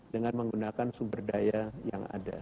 dengan menggunakan sumber daya yang ada